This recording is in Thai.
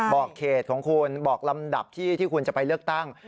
บอกเขตของคุณบอกลำดับที่คุณจะไปเลือกตั้ง